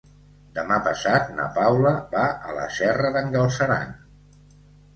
Demà passat na Paula va a la Serra d'en Galceran.